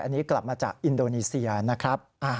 อันนี้กลับมาจากอินโดนีเซียนะครับ